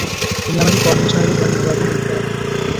উনি আমাকে কর্নেল সাহেবের ঘরে নিয়ে যাওয়া কথা রেডিও করার জন্য।